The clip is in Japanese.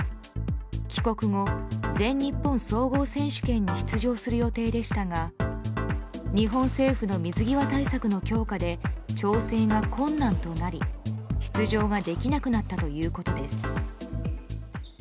帰国後、全日本総合選手権に出場する予定でしたが日本政府の水際対策の強化で調整が困難となり出場ができなくなったということです。